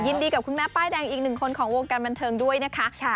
ยินดีกับคุณแม่ป้ายแดงอีกหนึ่งคนของวงการบันเทิงด้วยนะคะ